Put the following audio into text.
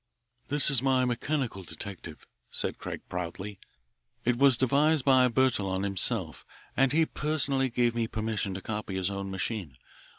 "This is my mechanical detective," said Craig proudly. "It was devised by Bertillon himself, and he personally gave me permission to copy his own machine.